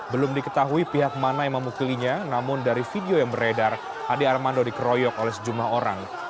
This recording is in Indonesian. belum diketahui pihak mana yang memukulinya namun dari video yang beredar ade armando dikeroyok oleh sejumlah orang